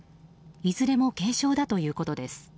いずれも軽傷だということです。